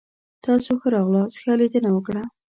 تاسو ښه راغلاست. ښه لیدنه وکړه!